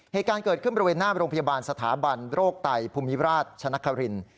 เหตุการณ์เกิดขึ้นบริเวณหน้าโรงพยาบาลสถาบันโรคไตภูมิราชชนคริน